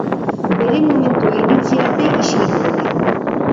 Bere momentua iritsi arte isilik egon da.